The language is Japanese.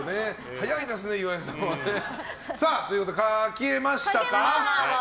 早いですね、岩井さんは。ということで、書けましたか？